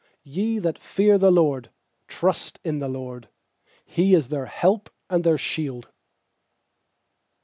nYe that fear the LORD, trust in the LORD! He is their help and their shield.